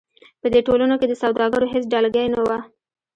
په دې ټولنو کې د سوداګرو هېڅ ډلګۍ نه وه.